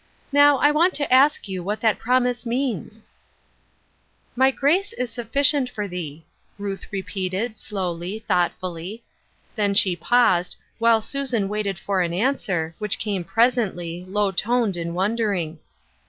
Now, I want to ask you what that promise means ?""' My grace is sufficient for thee,' " Ruth re peated, slowly, thoughtful^. Then she paused, while Susan waited for the answer, which came presently, low toned and wondering.